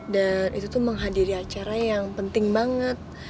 dan itu tuh menghadiri acara yang penting banget